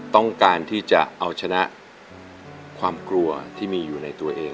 ต้องการที่จะเอาชนะความกลัวที่มีอยู่ในตัวเอง